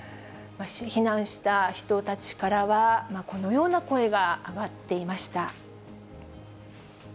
避難した人たちからは、このような声が上がっていました。